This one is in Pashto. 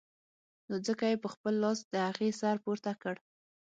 نو ځکه يې په خپل لاس د هغې سر پورته کړ.